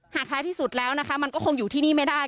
ท้ายที่สุดแล้วนะคะมันก็คงอยู่ที่นี่ไม่ได้